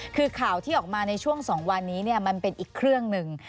คือข่าวที่ออกมาในช่วง๒วันนี้มันเป็นอีกเครื่องหนึ่ง